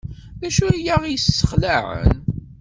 D acu ay aɣ-yesxelɛen?